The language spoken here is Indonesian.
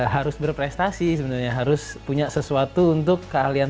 harus berprestasi sebenarnya harus punya sesuatu untuk keahlian